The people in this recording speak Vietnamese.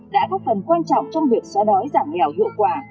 đã góp phần quan trọng trong việc xóa đói giảm nghèo hiệu quả